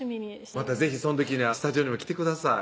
また是非そん時にはスタジオにも来てください